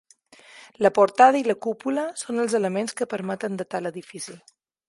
La portada i la cúpula són els elements que permeten datar l'edifici.